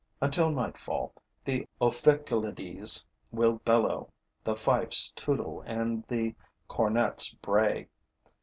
Until nightfall, the ophicleides will bellow, the fifes tootle and the cornets bray.